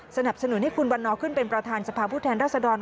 สนับสนุนให้คุณวันนอขึ้นเป็นประธานสภาพผู้แทนรัศดร